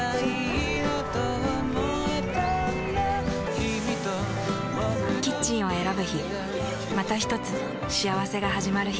キミとボクの未来だキッチンを選ぶ日またひとつ幸せがはじまる日